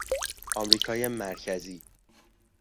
آمریکای مرکزی